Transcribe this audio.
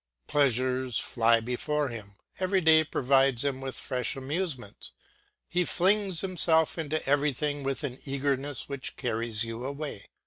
Pleasures fly before him, every day provides him with fresh amusements; he flings himself into everything with an eagerness which carries you away.